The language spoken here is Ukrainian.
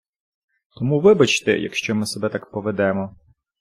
Тому, вибачте, якщо ми себе так поведемо.